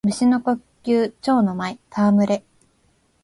蟲の呼吸蝶ノ舞戯れ（ちょうのまいたわむれ）